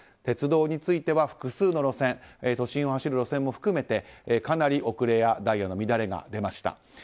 鉄道については複数の路線都心を走る路線も含めてかなり遅れやダイヤの乱れが出ました。